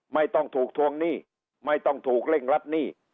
ไม่ต้องถูกทวงหนี้ไม่ต้องถูกเร่งรัดหนี้